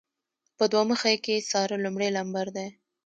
په دوه مخۍ کې ساره لمړی لمبر ده.